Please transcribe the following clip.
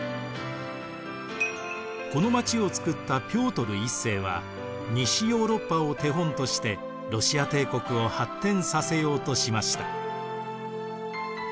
この街をつくったピョートル１世は西ヨーロッパを手本としてロシア帝国を発展させようとしました。